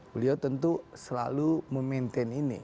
beliau tentu selalu memaintain ini